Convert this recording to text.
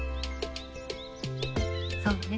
そうね。